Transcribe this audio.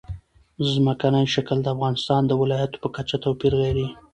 ځمکنی شکل د افغانستان د ولایاتو په کچه توپیر لري.